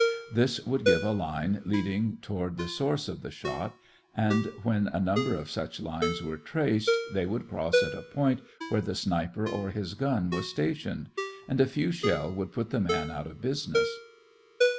This would give a line leading toward the source of the shot, and when a number of such lines were traced, they would cross at a spot where the sniper or his gun was stationed, and a few shell would put the man out of business.